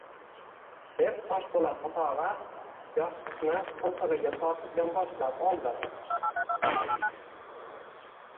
Deb Toshpo‘lat o‘tog‘a yostiqni qo‘ltig‘iga tortib yonboshlab oldi